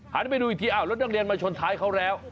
ไปดูอีกทีอ้าวรถนักเรียนมาชนท้ายเขาแล้ว